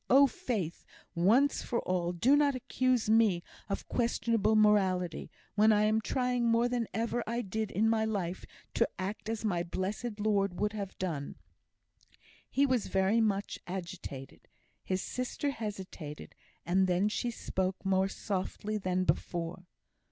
Oh, Faith! once for all, do not accuse me of questionable morality, when I am trying more than ever I did in my life to act as my blessed Lord would have done." He was very much agitated. His sister hesitated, and then she spoke more softly than before.